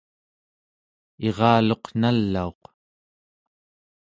iraluq nalauq